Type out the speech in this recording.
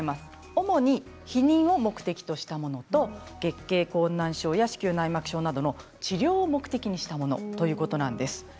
主に避妊を目的としたものと月経困難症や子宮内膜症などの治療を目的にしたものということなんです。